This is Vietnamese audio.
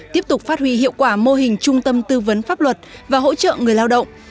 tiếp tục phát huy hiệu quả mô hình trung tâm tư vấn pháp luật và hỗ trợ người lao động